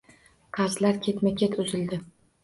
Qarzlar ketma ket uzildi